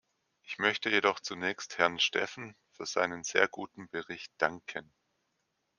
Ich möchte jedoch zunächst Herrn Stephen für seinen sehr guten Bericht danken.